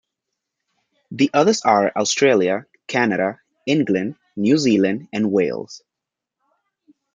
The others are Australia, Canada, England, New Zealand and Wales.